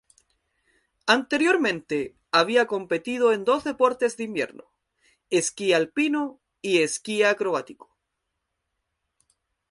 Anteriormente había competido en dos deportes de invierno: esquí alpino y esquí acrobático.